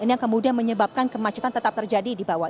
ini yang kemudian menyebabkan kemacetan tetap terjadi di bawah